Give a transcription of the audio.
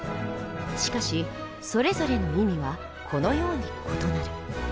しかしそれぞれの意味はこのように異なる。